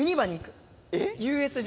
ＵＳＪ。